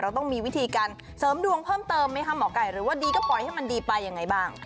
ต้องมีวิธีการเสริมดวงเพิ่มเติมไหมคะหมอไก่หรือว่าดีก็ปล่อยให้มันดีไปยังไงบ้าง